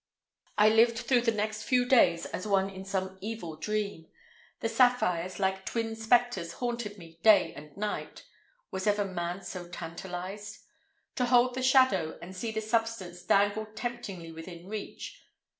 I lived through the next few days as one in some evil dream. The sapphires, like twin specters, haunted me day and night. Was ever man so tantalized? To hold the shadow and see the substance dangled temptingly within reach.